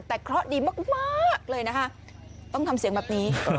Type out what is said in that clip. แต่เคราะห์ดีมากเลยนะคะต้องทำเสียงแบบนี้